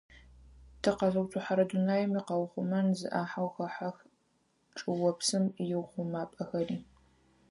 Тыкъэзыуцухьэрэ дунаим икъэухъумэн зы ӏахьэу хэхьэх чӏыопсым иухъумапӏэхэри.